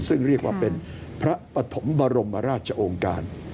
ซึ่งเรียกว่าเป็นพระปฐมบรมราชองค์การ